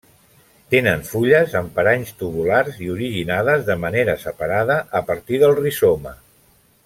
Tenen fulles amb paranys tubulars i originades de manera separada a partir del rizoma.